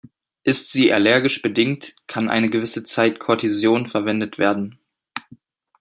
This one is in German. Ist sie allergisch bedingt, kann eine gewisse Zeit Kortison verwendet werden.